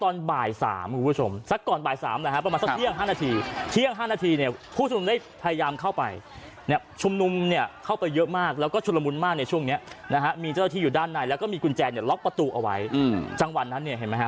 เนี่ยล็อกประตูเอาไว้อืมจังหวันนั้นเนี่ยเห็นไหมฮะ